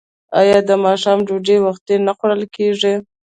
آیا د ماښام ډوډۍ وختي نه خوړل کیږي؟